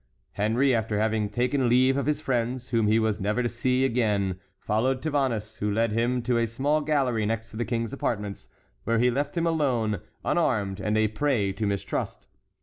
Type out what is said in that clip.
Henry, after having taken leave of his friends, whom he was never again to see, followed Tavannes, who led him to a small gallery next the King's apartments, where he left him alone, unarmed, and a prey to mistrust.